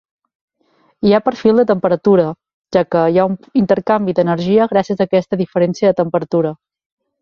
Hi ha perfil de temperatura, ja que hi ha un intercanvi d'energia gràcies a aquesta diferència de temperatura.